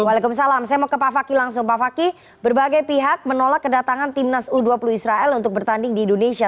waalaikumsalam saya mau ke pak fakih langsung pak fakih berbagai pihak menolak kedatangan timnas u dua puluh israel untuk bertanding di indonesia